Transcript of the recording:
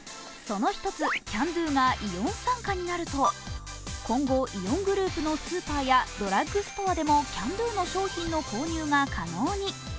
その１つ、ＣａｎＤｏがイオン参加になると、今後イオングループのスーパーやドラッグストアでもＣａｎＤｏの商品の購入が可能に。